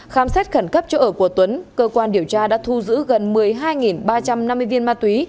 khám xét khẩn cấp chỗ ở của tuấn cơ quan điều tra đã thu giữ gần một mươi hai ba trăm năm mươi viên ma túy